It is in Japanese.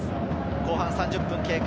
後半３０分経過。